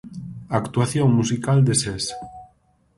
Actuación musical de Sés.